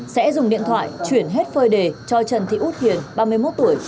sẽ dùng điện thoại chuyển hết phơi đề cho trần thị út hiền ba mươi một tuổi